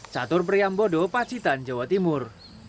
catur priambodo pacitan jawa timur